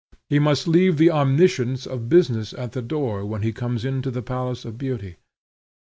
He must leave the omniscience of business at the door, when he comes into the palace of beauty.